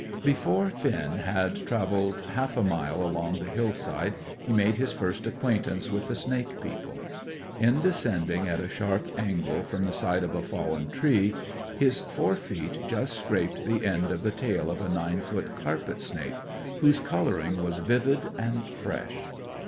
Before Finn had travelled half a mile along the hill side, he made his first acquaintance with the snake people. In descending at a sharp angle from the side of a fallen tree, his fore feet just scraped the end of the tail of a nine foot carpet snake, whose colouring was vivid and fresh.